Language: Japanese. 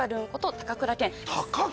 高倉健